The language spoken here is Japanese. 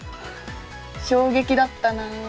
衝撃だったな。